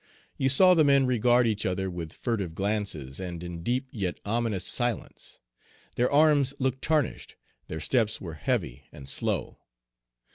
You saw the men regard each other with furtive glances, and in deep yet ominous silence; their arms looked tarnished; their steps were heavy and slow.